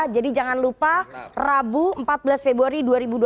jadi jangan lupa rabu empat belas februari dua ribu dua puluh empat